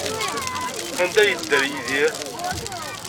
Anda ay yedder Yidir?